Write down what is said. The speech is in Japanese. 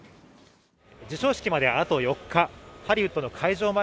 授賞式まであと４日ハリウッドの会場